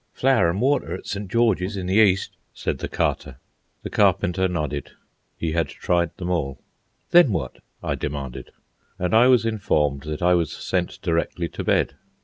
"Flour an' water at St. George's in the East," said the Carter. The Carpenter nodded. He had tried them all. "Then what?" I demanded And I was informed that I was sent directly to bed.